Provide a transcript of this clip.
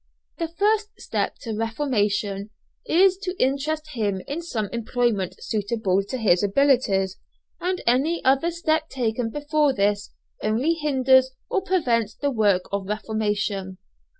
The first step to reformation, is to interest him in some employment suitable to his abilities, and any other step taken before this only hinders or prevents the work of reformation.